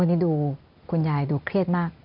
วันนี้ดูคุณยายดูเครียดมาก